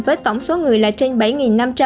với tổng số người là trên bảy năm trăm linh